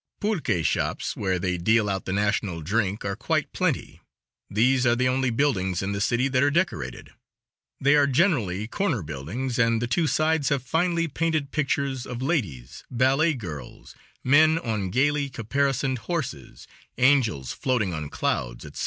Pulque shops, where they deal out the national drink, are quite plenty. These are the only buildings in the city that are decorated. They are generally corner buildings, and the two sides have finely painted pictures of ladies, ballet girls, men on gayly caparisoned horses, angels floating on clouds, etc.